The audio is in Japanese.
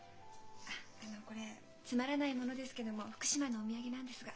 あっあのこれつまらないものですけども福島のお土産なんですが。